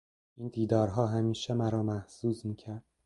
این دیدارها همیشه مرا محظوظ میکرد.